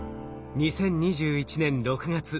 ２０２１年６月。